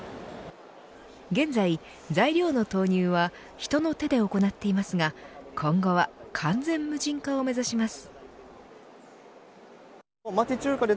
現在、材料の投入は人の手で行っていますが今後は完全無人化を目指します。